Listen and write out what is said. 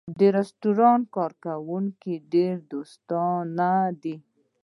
د رستورانت کارکوونکی ډېر دوستانه دی.